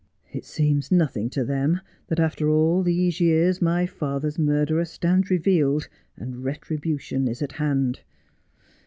' It seems nothing to them that after all these years my father's murderer stands revealed, and retribution is at hand.